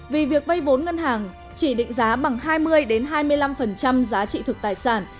vì việc vây vốn ngân hàng chỉ định giá bằng hai mươi hai mươi năm giá trị thực tài sản